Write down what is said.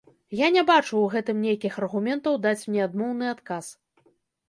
Я не бачу ў гэтым нейкіх аргументаў даць мне адмоўны адказ.